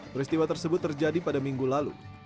peristiwa tersebut terjadi pada minggu lalu